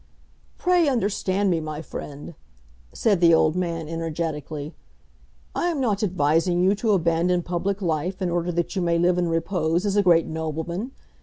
"Pray understand me, my friend," said the old man, energetically. "I am not advising you to abandon public life in order that you may live in repose as a great nobleman.